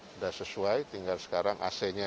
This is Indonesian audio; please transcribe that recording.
sudah sesuai tinggal sekarang ac nya